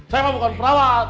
saya mah bukan perawat